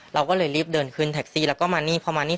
เราก็เลยรีบเดินขึ้นแท็กซี่แล้วก็มานี่พอมานี่